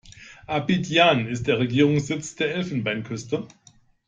Abidjan ist der Regierungssitz der Elfenbeinküste.